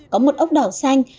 có một ốc đảo xanh